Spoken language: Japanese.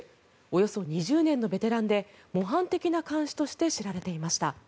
およそ２０年のベテランで模範的な看守として知られていました。